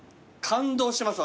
感動してます